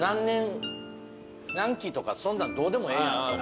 何期とかそんなんどうでもええやん。